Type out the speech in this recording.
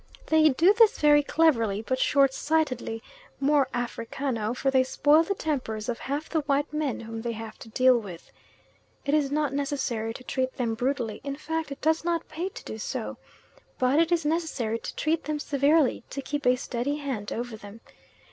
They do this very cleverly, but shortsightedly, more Africano, for they spoil the tempers of half the white men whom they have to deal with. It is not necessary to treat them brutally, in fact it does not pay to do so, but it is necessary to treat them severely, to keep a steady hand over them.